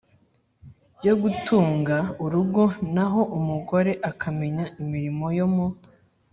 yo gutunga urugo naho umugore akamenya imirimo yo mu